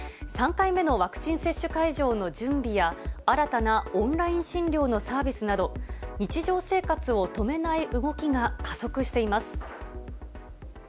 ３回目のワクチン接種会場の準備や、新たなオンライン診療のサービスなど、日常生活を止めない動きが加速しています。